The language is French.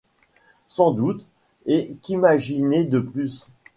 Sans doute, et qu’imaginer de plus ?…